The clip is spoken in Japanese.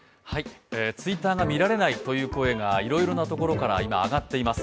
Ｔｗｉｔｔｅｒが見られないという声がいろいろなところから今上がっています。